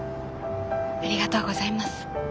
ありがとうございます。